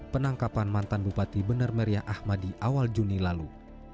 penangkapan mantan bupati benar meriah ahmadi awal juni lalu